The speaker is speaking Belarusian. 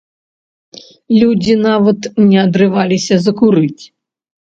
Людзі нават не адрываліся закурыць.